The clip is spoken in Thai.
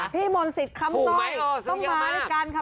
พี่มณศิษย์คำสร้อยต้องมาด้วยกันค่ะ